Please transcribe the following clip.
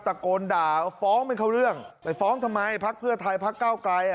ตะโกนด่าฟ้องไม่เข้าเรื่องไปฟ้องทำไมพักเพื่อไทยพักเก้าไกลอ่ะ